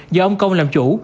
do ông công làm chủ